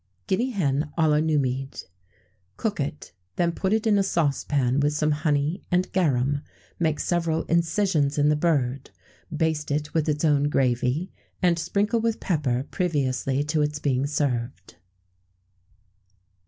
Guinea Hen à la Numide. Cook it; then put it in a saucepan with some honey and garum; make several incisions in the bird; baste it with its own gravy, and sprinkle with pepper previously to its being served.